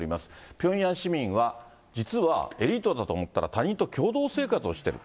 ピョンヤン市民は実はエリートだと思ったら、他人と共同生活をしている。